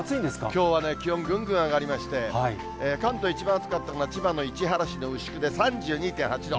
きょうはね、気温ぐんぐん上がりまして、関東一番暑かったのが、千葉の市原市の牛久で３２．８度。